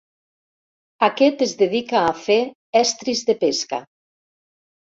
Aquest es dedica a fer estris de pesca.